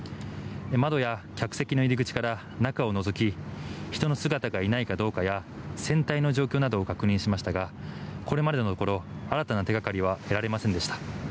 窓や客席の入り口から中をのぞき人がいないかどうかや船体の状況などを確認しましたがこれまでのところ新たな手掛かりは得られませんでした。